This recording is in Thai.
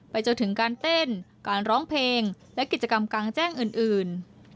จนถึงการเต้นการร้องเพลงและกิจกรรมกลางแจ้งอื่น